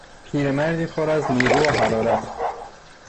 پیرمردی پر از نیرو و حرارت